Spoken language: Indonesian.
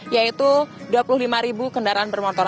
yaitu dua puluh lima ribu kendaraan bermotor